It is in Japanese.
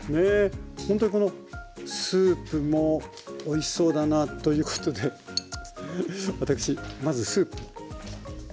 ほんとにこのスープもおいしそうだなということで私まずスープ。